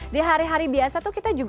di hari hari biasa tuh kita juga